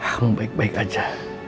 aku baik baik aja